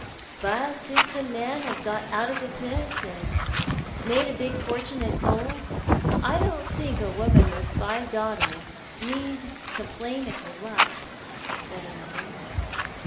" But if the man has got out of the pit and made a big fortune in coals, I don't tiiink a woman with five daughters need com plain of her luck," said another.